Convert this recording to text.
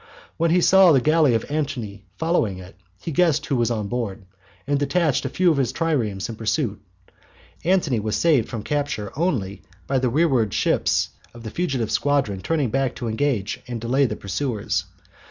When he saw the galley of Antony following it, he guessed who was on board, and detached a few of his triremes in pursuit. Antony was saved from capture only by the rearward ships of the fugitive squadron turning back to engage and delay the pursuers.